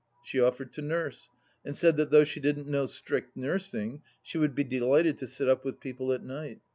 She offered to nurse, and said that though she didn't know strict nursing she would be delighted to sit up with people at night.